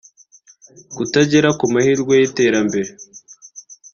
kutagera ku mahirwe y’iterambere